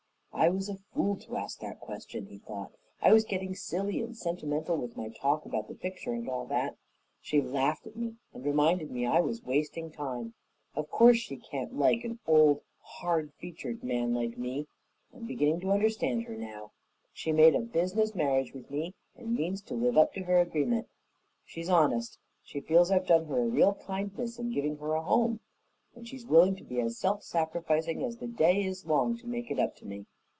"I was a fool to ask that question," he thought. "I was getting silly and sentimental with my talk about the picture and all that. She laughed at me and reminded me I was wasting time. Of course she can't like an old, hard featured man like me. I'm beginning to understand her now. She made a business marriage with me and means to live up to her agreement. She's honest; she feels I've done her a real kindness in giving her a home, and she's willing to be as self sacrificing as the day is long to make it up to me.